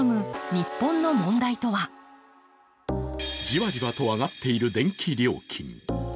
じわじわと上がっている電気料金。